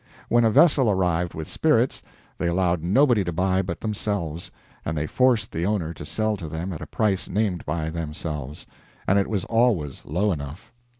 When a vessel arrived with spirits, they allowed nobody to buy but themselves, and they forced the owner to sell to them at a price named by themselves and it was always low enough.